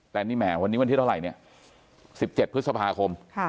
แต่นี่แหมวันนี้วันที่เท่าไหร่เนี่ย๑๗พฤษภาคม